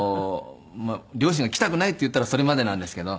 両親が来たくないって言ったらそれまでなんですけど。